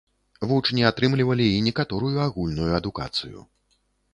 Вучні атрымлівалі і некаторую агульную адукацыю.